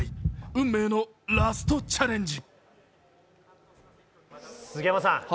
運命のラストチャレンジ。